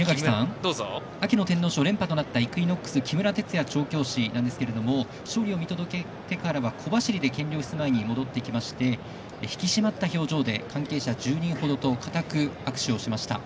秋の天皇賞、連覇となったイクイノックス木村哲也調教師なんですけど勝利を見届けてから、小走りで検量室前に戻ってきまして引き締まった表情で関係者１０人ほどと硬く握手しました。